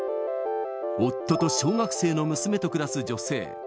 夫と小学生の娘と暮らす女性。